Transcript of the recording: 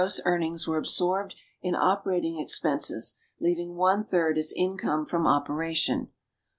ss earnings were absorl)e(l in operating expenses, leaving one third as income from operation.